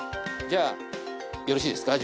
じゃあよろしいですか？